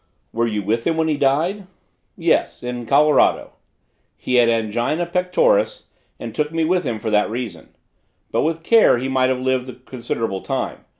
"Were you with him when he died?" "Yes in Colorado. He had angina pectoris and took me with him for that reason. But with care he might have lived a considerable time.